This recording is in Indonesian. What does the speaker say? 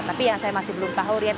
tapi yang saya masih belum tahu rian